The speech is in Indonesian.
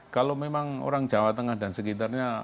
kalau memang orang jawa tengah dan sekitarnya